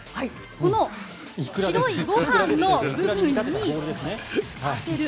この白いご飯の部分に当てる。